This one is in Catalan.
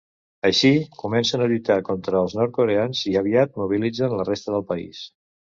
Així, comencen a lluitar contra els nord-coreans i aviat mobilitzen la resta del país.